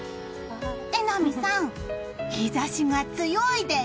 榎並さん、日差しが強いです。